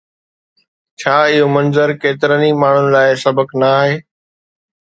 ڇا اهو منظر ڪيترن ئي ماڻهن لاءِ سبق نه آهي؟